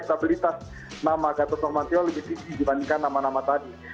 stabilitas nama gatot nurmantio lebih tinggi dibandingkan nama nama tadi